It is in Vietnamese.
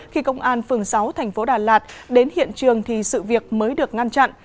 khi công an phường sáu thành phố đà lạt đến hiện trường thì sự việc mới được ngăn chặn